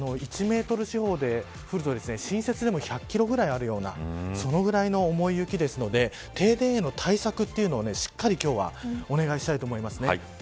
１メートル四方で降ると新雪でも１００キロ近くあるようなそのぐらいの重い雪なので停電への対策というのをしっかり今日はお願いしたいと思います。